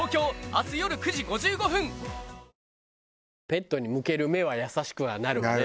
ペットに向ける目は優しくはなるよね